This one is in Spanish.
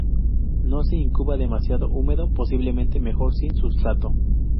No se incuba demasiado húmedo, posiblemente mejor sin sustrato.